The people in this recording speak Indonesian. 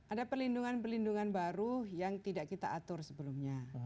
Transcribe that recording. ada pelindungan pelindungan baru yang tidak kita atur sebelumnya